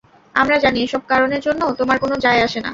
আমরা জানি এসব কারণের জন্য তোমার কোনো জায় আসেনা।